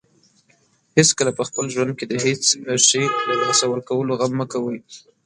هیڅکله په خپل ژوند کې د هیڅ شی له لاسه ورکولو غم مه کوئ.